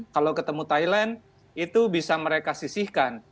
kalau ketemu thailand itu bisa mereka sisihkan